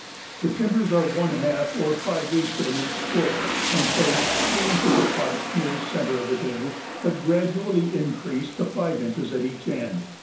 The timbers are one half or five eighths of an inch square, and placed three inches apart near the centre of the canoe, but gradually increased to five inches at each end.